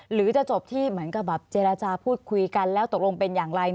หรือจะจบที่เหมือนกับแบบเจรจาพูดคุยกันแล้วตกลงเป็นอย่างไร